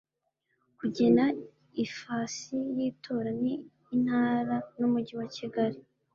Kugena ifasi y itora ni intara n umujyi wa kigali